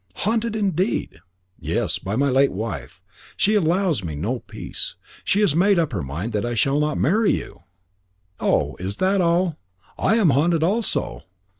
"Haunted, indeed!" "Yes; by my late wife. She allows me no peace. She has made up her mind that I shall not marry you." "Oh! Is that all? I am haunted also."